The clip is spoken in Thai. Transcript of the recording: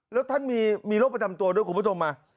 แล้วท่านมีโรคประจำตัวด้วยคุณผู้ชมมา